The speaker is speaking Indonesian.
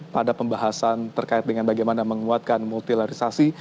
pada pembahasan terkait dengan bagaimana menguatkan multilarisasi